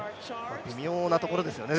微妙なところですよね